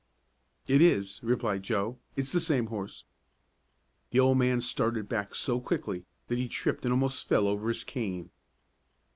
"It is," replied Joe; "it's the same horse." The old man started back so quickly that he tripped and almost fell over his cane.